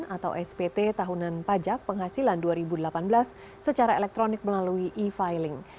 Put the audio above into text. atau spt tahunan pajak penghasilan dua ribu delapan belas secara elektronik melalui e filing